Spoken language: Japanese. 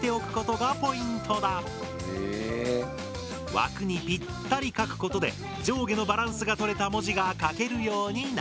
枠にぴったり書くことで上下のバランスがとれた文字が書けるようになる。